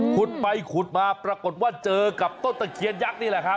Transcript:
ขุดไปขุดมาปรากฏว่าเจอกับต้นตะเคียนยักษ์นี่แหละครับ